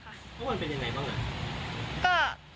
เขาวิ่งเป็นยังไงบ้างอ่ะ